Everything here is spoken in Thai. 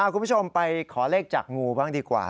คุณผู้ชมไปขอเลขจากงูบ้างดีกว่า